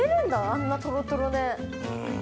あんなトロトロで。